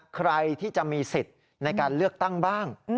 ใครที่จะมีสิทธิ์ในการเลือกตั้งบ้าง